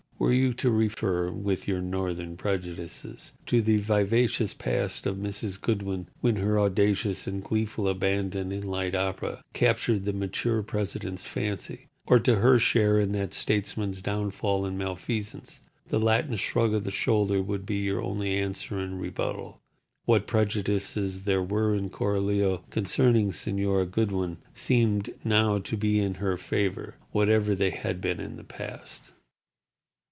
Were you to refer (with your northern prejudices) to the vivacious past of Mrs. Goodwin when her audacious and gleeful abandon in light opera captured the mature president's fancy, or to her share in that statesman's downfall and malfeasance, the Latin shrug of the shoulder would be your only answer and rebuttal. What prejudices there were in Coralio concerning Señora Goodwin seemed now to be in her favour, whatever they had been in the past.